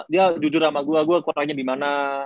dia jujur sama gue gue kurangnya dimana